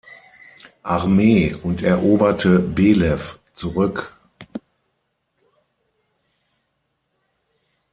Armee und eroberte Belew zurück.